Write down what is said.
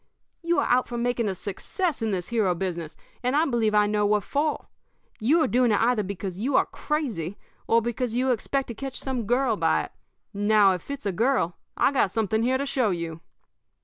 You are out for making a success in this hero business, and I believe I know what for. You are doing it either because you are crazy or because you expect to catch some girl by it. Now, if it's a girl, I've got something here to show you.'